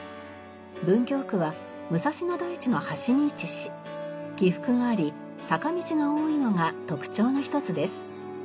文京区は武蔵野台地の端に位置し起伏があり坂道が多いのが特徴の一つです。